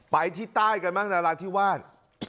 ไปที่ใต้กันมากนาราฐิวาล